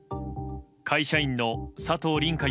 会社員の佐藤凜果